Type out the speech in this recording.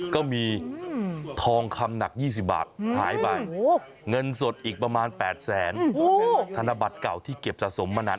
ก็มีทองคำหนัก๒๐บาทหายไปเงินสดอีกประมาณ๘แสนธนบัตรเก่าที่เก็บสะสมมานาน